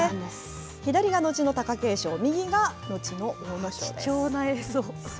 左が後の貴景勝、右が後の阿武咲貴重な映像。